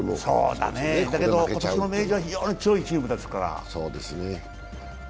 だけど今年の明治は非常に強いチームですから。